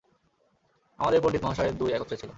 আমাদের পণ্ডিতমহাশয়ের দুই একত্রে ছিল।